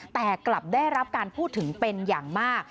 แต่กลับได้รับการพูดถึงเป็นอย่างมาก